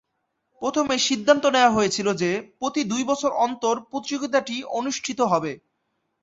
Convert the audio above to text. প্রথমে সিদ্ধান্ত নেয়া হয়েছিল যে, প্রতি দুই বছর অন্তর প্রতিযোগিতাটি অনুষ্ঠিত হবে।